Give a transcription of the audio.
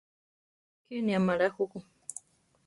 Kíni amará juku.